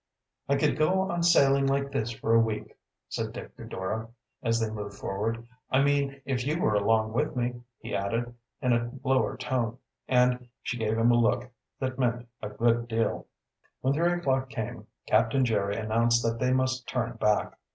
"I could go on sailing like this for a week," said Dick to Dora, as they moved forward. "I mean if you were along with me," he added, in a lower tone, and she gave him a look that meant a good deal. When three o'clock came Captain Jerry announced that they must turn back.